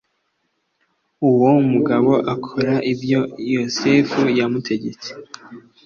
uwo mugabo akora ibyo yosefu yamutegetse